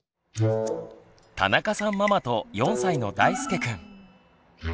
田中さんママと４歳のだいすけくん。